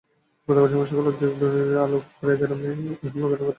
গতকাল সোমবার সকালে দিগড় ইউনিয়নের আলুপাকুটিয়া গ্রামে ওই হামলার ঘটনা ঘটে।